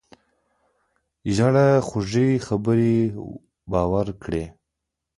زړه د خوږې خبرې باور کوي.